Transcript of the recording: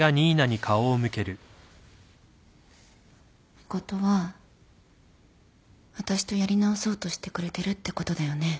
誠は私とやり直そうとしてくれてるってことだよね？